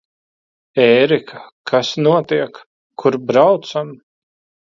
Ērika, kas notiek? Kur braucam?